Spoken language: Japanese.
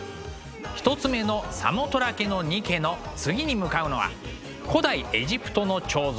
１つ目の「サモトラケのニケ」の次に向かうのは古代エジプトの彫像